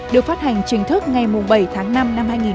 được phát hành chính thức ngày bảy tháng năm năm hai nghìn hai mươi